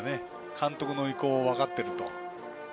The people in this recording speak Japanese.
監督の意向を分かっていると。